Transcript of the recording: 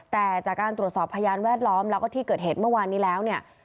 แต่จากการตรวจสอบพยานแวดล้อมแล้วก็ที่เกิดเหตุเมื่อวานนี้แล้วเนี่ย